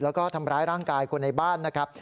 แล้วก็ทำร้ายร่างกายคนในบ้านนะครับ